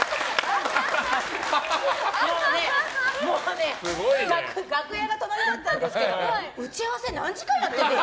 もうね楽屋が隣だったんですけど打ち合わせ、何時間やってるの？